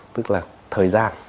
tức là thời gian